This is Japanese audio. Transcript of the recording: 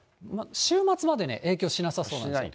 週末までね、影響しなさそうなんです。